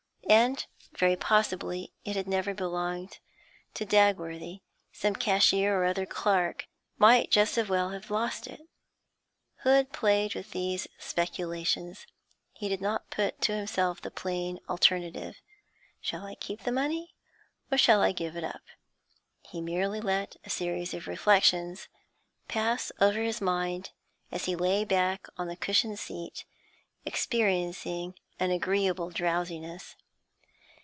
And very possibly it had never belonged to Dagworthy; some cashier or other clerk might just as well have lost it. Hood played with these speculations. He did not put to himself the plain alternative: Shall I keep the money, or shall I give it up? He merely let a series of reflections pass over his mind, as he lay back on the cushioned seat, experiencing an agreeable drowsiness.